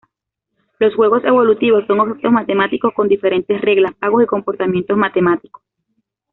Los juegos evolutivos son objetos matemáticos con diferentes reglas, pagos y comportamientos matemáticos.